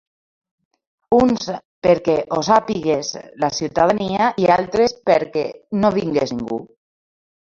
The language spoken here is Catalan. Uns perquè ho sàpigues la ciutadania i altres perquè no vingués ningú.